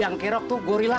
inget sama allah